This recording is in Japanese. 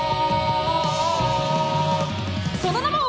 「その名も！」